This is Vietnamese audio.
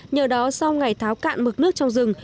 nhờ đó sau ngày tháo cạn mực nước trong rừng